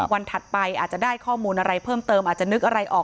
ถัดไปอาจจะได้ข้อมูลอะไรเพิ่มเติมอาจจะนึกอะไรออก